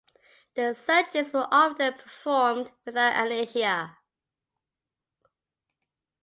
Their surgeries were often performed without anesthesia.